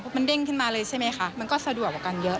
มันเด้งขึ้นมาเลยใช่ไหมคะมันก็สะดวกกว่ากันเยอะ